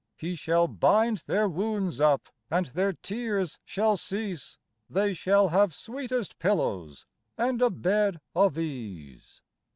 He shall bind their wounds up and their tears shall cease : They shall have sweetest pillows and a bed of ease.